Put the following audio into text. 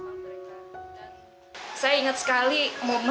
sebagai seorang penyandang saya berpikir saya akan mencari alat alat yang lebih baik